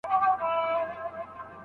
له نورو څېړونکو سره خپل معلومات شریک کړه.